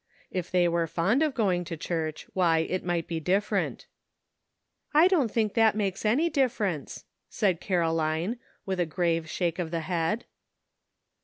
If they were fond of going to church, why, it might be different." "I don't think that makes any difference," said Caroline, with a grave shake of the head.